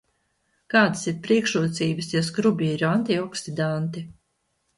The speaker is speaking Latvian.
Kādas ir priekšrocības, ja skrubī ir antioksidanti?